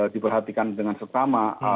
diperhatikan dengan serta sama